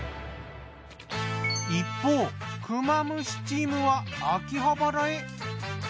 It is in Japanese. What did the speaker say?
一方クマムシチームは秋葉原へ。